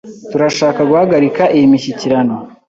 Turashaka guhagarika iyi mishyikirano.